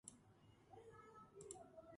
მოგებული აქვს სხვა საერთაშორისო ტურნირები.